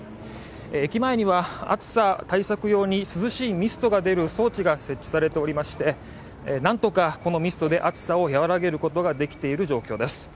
駅前には暑さ対策用に涼しいミストが出る装置が設置されておりまして、なんとかこのミストで暑さを和らげることができている状況です。